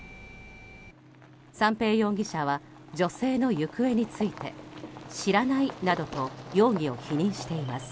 三瓶容疑者は女性の行方について知らないなどと容疑を否認しています。